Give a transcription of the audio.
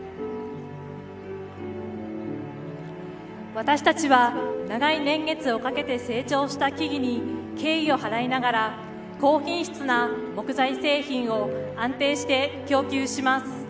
私たちは長い年月をかけて成長した木々に敬意を払いながら高品質な木材製品を安定して供給します。